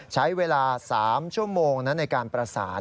ใช้เวลา๓ชั่วโมงในการประสาน